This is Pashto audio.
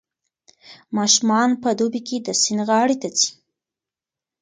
ماشومان په دوبي کې د سیند غاړې ته ځي.